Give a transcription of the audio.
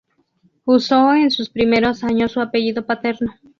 Usó en sus primeros años su apellido paterno.